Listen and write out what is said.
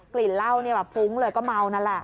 กลิ่นเหล้าเนี่ยแบบฟุ้งเลยก็เมานั่นแหละ